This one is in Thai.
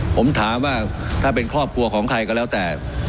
ผมถามว่าถ้าเป็นครอบครัวของใครก็แล้วแต่